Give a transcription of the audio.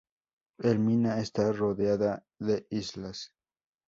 El Mina está rodeada de islas.